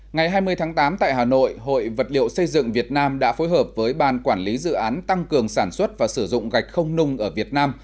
ngày hai mươi tháng tám tại hà nội hội vật liệu xây dựng việt nam đã phối hợp với ban quản lý dự án tăng cường sản xuất và sử dụng gạch không nung ở việt nam